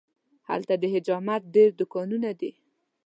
هلته د حجامت ډېر دوکانونه دي.